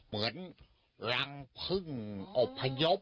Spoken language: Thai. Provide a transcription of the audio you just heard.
เหมือนรังพึ่งอบพยพ